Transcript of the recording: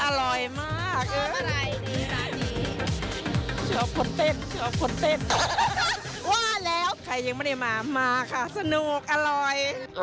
ว่าแล้วใครยังไม่ได้มามาค่ะสนุกอร่อย